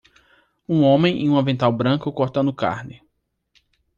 Um homem em um avental branco cortando carne.